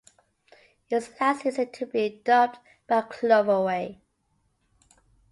It was the last season to be dubbed by Cloverway.